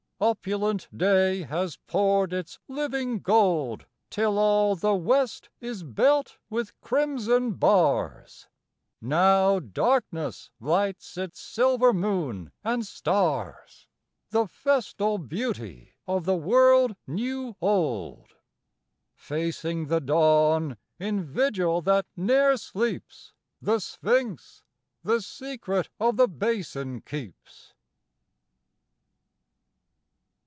Opulent day has poured its living gold Till all the west is belt with crimson bars, Now darkness lights its silver moon and stars, The festal beauty of the world new old. Facing the dawn, in vigil that ne'er sleeps, The sphinx the secret of the Basin keeps.